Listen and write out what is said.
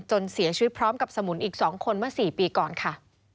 เสียชีวิตพร้อมกับสมุนอีก๒คนเมื่อ๔ปีก่อนค่ะ